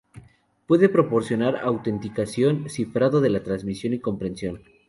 Puede proporcionar autenticación, cifrado de la transmisión y compresión.